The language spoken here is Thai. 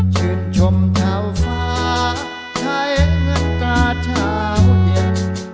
ชื่นชมเท่าฟ้าใช้เงินกล้าเท่าเห็น